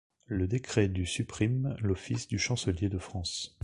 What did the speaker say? Le décret du supprime l'office de chancelier de France.